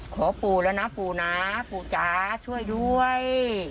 ขอปูแล้วนะปูหนาพูผักช่วยด้วย